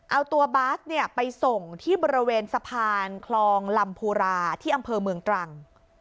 เอาตัวบาสเนี่ยไปส่งที่บริเวณสะพานคลองลำพูราที่อำเภอเมืองตรัง